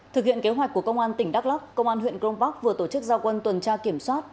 thực hiện kế hoạch của công an tỉnh đắk lắk công an huyện cron park vừa tổ chức giao quân tuần tra kiểm soát